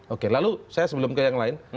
oke lalu saya sebelum ke yang lain